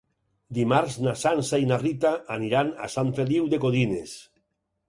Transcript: Dimarts na Sança i na Rita aniran a Sant Feliu de Codines.